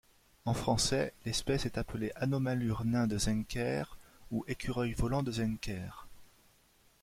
En français l'espèce est appelée Anomalure nain de Zenker ou Écureuil volant de Zenker.